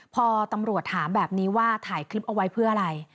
พอตำรวจถามแบบนี้ว่าถ่ายคลิปเอาไว้เพื่ออะไร